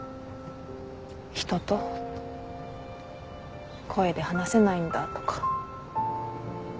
人と声で話せないんだとか。